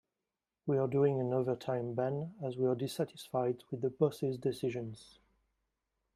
We are doing an overtime ban as we are dissatisfied with the boss' decisions.